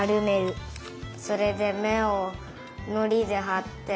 それでめをのりではって。